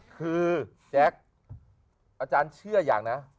คือแจ๊คอาจารย์เชื่ออย่างนะ